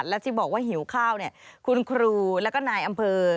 และที่บอกว่าหิวข้าวคุณครูแล้วก็นายอำเภอ